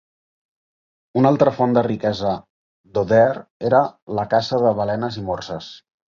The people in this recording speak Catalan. Una altra font de riquesa d'Ohthere era la caça de balenes i morses.